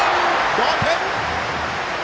同点！